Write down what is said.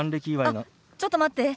あっちょっと待って。